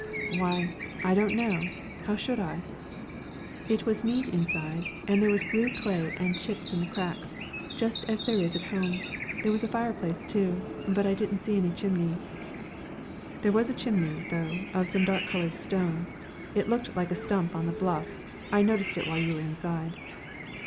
"Why, I don't know how should I?" "It was neat inside, and there was blue clay and chips in the cracks, just as there is at home. There was a fireplace, too, but I didn't see any chimney." "There was a chimney, though, of some dark coloured stone. It looked like a stump on the bluff. I noticed it while you were inside."